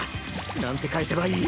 なんて返せばいい？